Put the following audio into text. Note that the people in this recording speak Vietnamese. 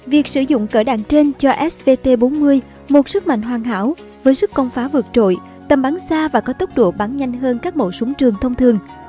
việc sử dụng cỡ đạn trên cho svt bốn mươi một sức mạnh hoàn hảo với sức công phá vượt trội tầm bắn xa và có tốc độ bắn nhanh hơn các mẫu súng trường thông thường